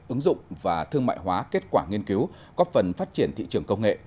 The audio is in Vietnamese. ứng dụng và thương mại hóa kết quả nghiên cứu góp phần phát triển thị trường công nghệ